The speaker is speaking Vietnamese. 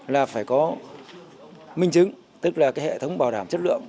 là phải có minh chứng tức là cái hệ thống bảo đảm chất lượng